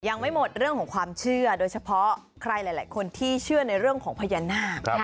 ยังไม่หมดเรื่องของความเชื่อโดยเฉพาะใครหลายคนที่เชื่อในเรื่องของพญานาค